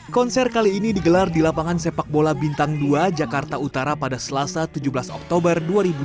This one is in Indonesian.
konser kali ini digelar di lapangan sepak bola bintang dua jakarta utara pada selasa tujuh belas oktober dua ribu dua puluh